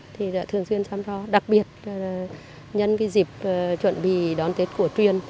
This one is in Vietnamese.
thì đã thường xuyên chăm lo đặc biệt nhân dịp chuẩn bị đón tết của truyền